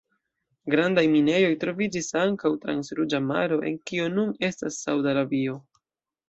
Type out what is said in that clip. Grandaj minejoj troviĝis ankaŭ trans Ruĝa Maro en kio nun estas Saud-Arabio.